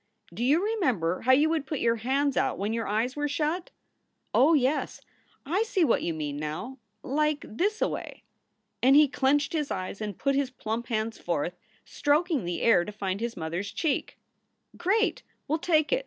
"Do you remember how you would put your hands out when your eyes were shut?" "Oh yes! I see what you mean now. Like thisaway." And he clenched his eyes and put his plump hands forth, stroking the air to find his mother s cheek. "Great! We ll take it!"